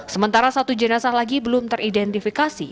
sementara satu jenazah lagi belum teridentifikasi